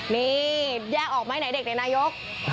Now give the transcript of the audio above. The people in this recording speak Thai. นี่แยกออกไหมไหนในนายก